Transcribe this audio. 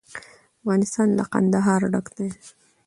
افغانستان له کندهار ډک دی.